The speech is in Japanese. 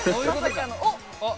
おっ。